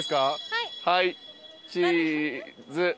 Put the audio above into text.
はいチーズ。